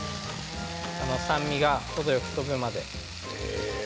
酸味が程よく飛ぶまで。